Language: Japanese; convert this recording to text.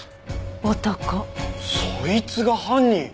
そいつが犯人。